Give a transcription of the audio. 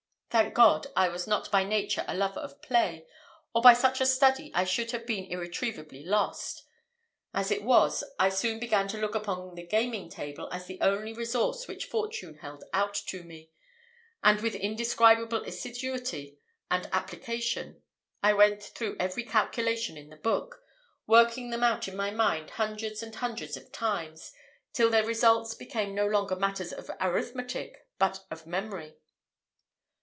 Thank God, I was not by nature a lover of play, or by such a study I should have been irretrievably lost. As it was, I soon began to look upon the gaming table as the only resource which fortune held out to me; and with indescribable assiduity and application, I went through every calculation in the book, working them out in my mind hundreds and hundreds of times, till their results became no longer matters of arithmetic, but of memory.